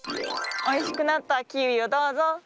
おいしくなったキウイをどうぞ。